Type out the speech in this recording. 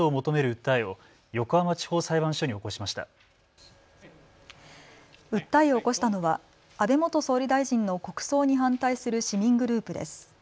訴えを起こしたのは安倍元総理大臣の国葬に反対する市民グループです。